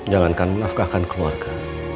jangankan menafkahkan keluarga